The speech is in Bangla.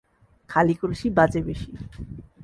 খালি কলসি বাঁজে বেশি।